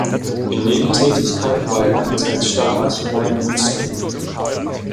In Nebentätigkeit war er lange Zeit Stadtarchivar in Münster.